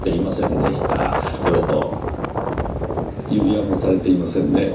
それと指輪もされていませんねぇ。